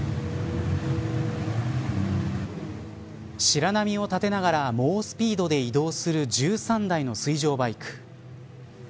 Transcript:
白波を立てながら猛スピードで移動する１３台の水上バイク。